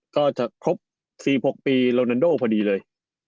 ก็จะครบ๔๖ปีโลนันโดพอดีเลย